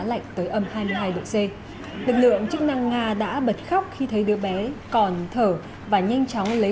lạnh tới âm hai mươi hai độ c lực lượng chức năng nga đã bật khóc khi thấy đứa bé còn thở và nhanh chóng lấy